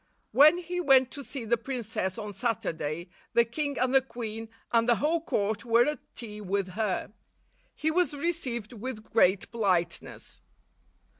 When he went to see the princess on Saturday, the king and the queen and the whole court were at tea with her. He was received with great politeness.